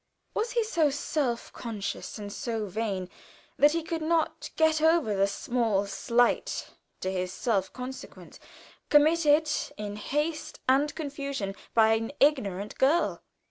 Was he so self conscious and so vain that he could not get over that small slight to his self consequence, committed in haste and confusion by an ignorant girl?